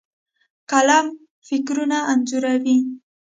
قلم فکرونه انځوروي.